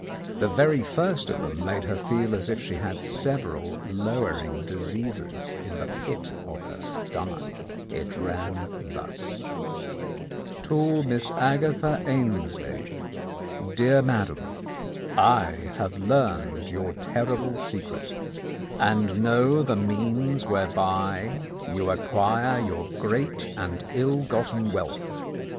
The very first of them made her feel as if she had several lowering diseases in the pit of the stomach. It ran thus : "To Miss Agatha Ainslie. "Dear Madam, — I have learned your terrible secret, and know the means whereby you acquire your 10 The Countess of Lowndes Square great and ill gotten wealth.